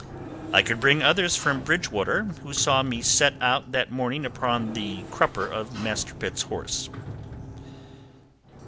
"I could bring others from Bridgewater, who saw me set out that morning upon the crupper of Master Pitt's horse."